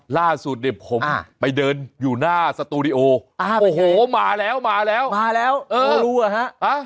ล่าสุดเนี่ยผมไปเดินอยู่หน้าสตูดิโอโอ้โหมาแล้วมาแล้วมาแล้วเออรู้อ่ะฮะ